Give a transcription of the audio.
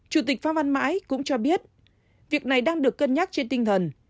chủ tịch phan văn mãi cũng cho biết việc này đang được cân nhắc trên tinh thần